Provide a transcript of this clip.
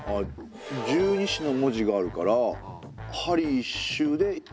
十二支の文字があるから針一周で一日？